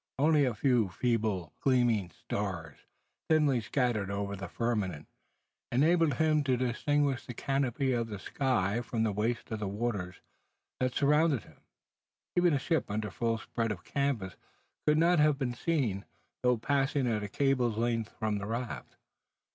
Only a few feebly gleaming stars, thinly scattered over the firmament, enabled him to distinguish the canopy of the sky from the waste of waters that surrounded him. Even a ship under full spread of canvas could not have been seen, though passing at a cable's length from the raft.